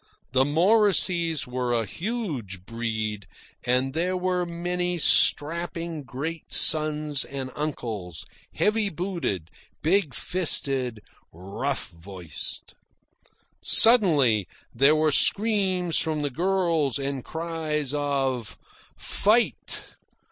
The Morriseys were a huge breed, and there were many strapping great sons and uncles, heavy booted, big fisted, rough voiced. Suddenly there were screams from the girls and cries of "Fight!"